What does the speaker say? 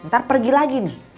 ntar pergi lagi nih